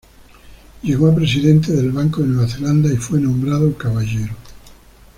Llegó a presidente del Banco de Nueva Zelanda y fue nombrado caballero.